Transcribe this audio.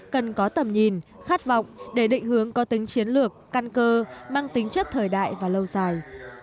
cần có tầm nhìn khát vọng để định hướng có tính chiến lược căn cơ mang tính chất thời đại và lâu dài